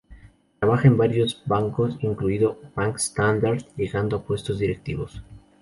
Trabaja en varios bancos, incluido Bank Standard, llegando a puestos directivos.